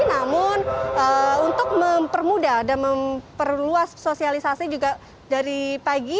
namun untuk mempermudah dan memperluas sosialisasi juga dari pagi